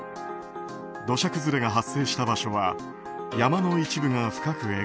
土砂崩れが発生した場所は山の一部が深く